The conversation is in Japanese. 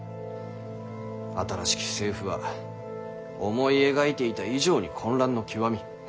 新しき政府は思い描いていた以上に混乱の極み。